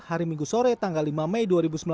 hari minggu sore tanggal lima mei dua ribu sembilan belas